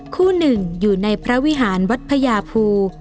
คู่หนึ่งอยู่ในพระวิหารวัดพญาภู